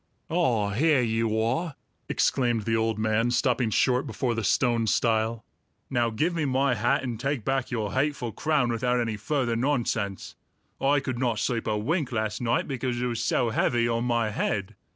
"Ah, here you are!" exclaimed the old man, stopping short before the stone stile. "Now give me my hat and take back your hateful crown without any further nonsense! I could not sleep a wink last night, because it was so heavy on my head.